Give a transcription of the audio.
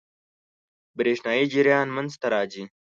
برېښنايي جریان منځ ته راځي.